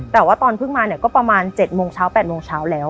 แต่ว่าตอนเพิ่งมาเนี่ยก็ประมาณ๗โมงเช้า๘โมงเช้าแล้ว